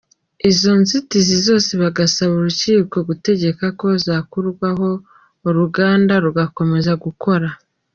Izo nzitizi zose bagasaba urukiko gutegeka ko zakurwaho uruganda rugakomeza gukora.